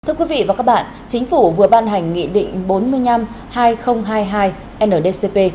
thưa quý vị và các bạn chính phủ vừa ban hành nghị định bốn mươi năm hai nghìn hai mươi hai ndcp